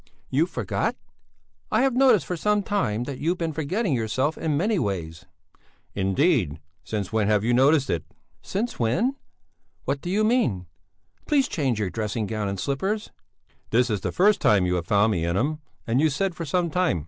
"You forgot? I have noticed for some time that you've been forgetting yourself in many ways." "Indeed? Since when have you noticed it?" "Since when? What do you mean? Please change your dressing gown and slippers." "This is the first time you have found me in them, and you said for some time.